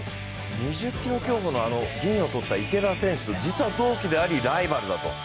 ２０ｋｍ競歩と元を取った池田選手と実は同期であり、ライバルであると。